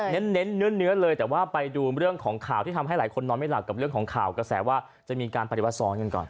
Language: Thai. เน้นเนื้อเลยแต่ว่าไปดูเรื่องของข่าวที่ทำให้หลายคนนอนไม่หลับกับเรื่องของข่าวกระแสว่าจะมีการปฏิวัติซ้อนกันก่อน